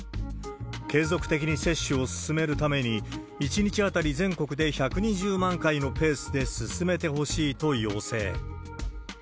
継続的に接種を進めるために、１日当たり全国で１２０万回のペースで進めてほしいと要請。